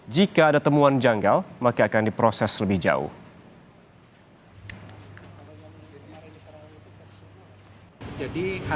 jika ada temuan janggal maka akan diproses lebih jauh